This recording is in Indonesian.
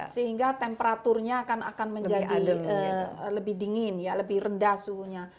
sehingga temperaturnya akan menjadi lebih dingin ya lebih rendah suhunya